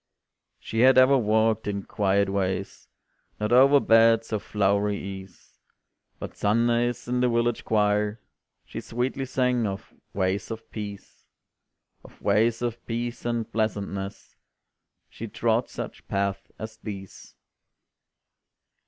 She had ever walked in quiet ways, Not over beds of flowery ease, But Sundays in the village choir She sweetly sang of "ways of peace," Of "ways of peace and pleasantness," She trod such paths as these.